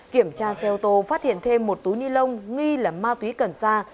kiểm tra xe ô tô phát hiện thêm một túi ni lông nghi lẩm ma túy cẩn xa